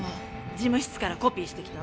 事務室からコピーしてきたわ。